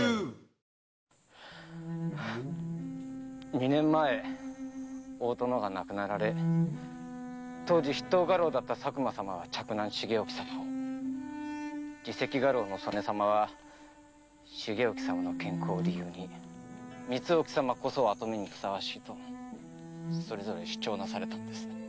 二年前大殿が亡くなられ当時筆頭家老だった佐久間様は嫡男・重意様を次席家老の曽根様は重意様の健康を理由に光意様こそ跡目にふさわしいとそれぞれ主張なされたのです。